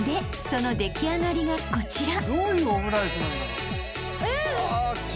その出来上がりがこちら］